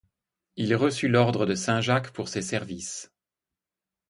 Il reçut l'ordre de Saint-Jacques pour ses services.